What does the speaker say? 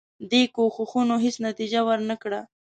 دې کوښښونو هیڅ نتیجه ورنه کړه.